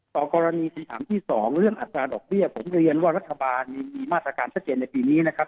กรณีที่ถามที่สองเรื่องอัตราดอกเบี้ยผมเรียนว่ารัฐบาลมีมาตรการชัดเจนในปีนี้นะครับ